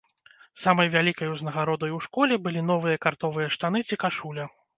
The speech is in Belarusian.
Самай вялікай узнагародай у школе былі новыя картовыя штаны ці кашуля.